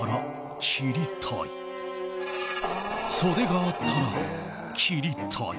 襟があったら切りたい。